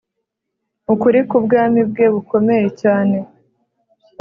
ukuri k ubwami bwe bukomeye cyane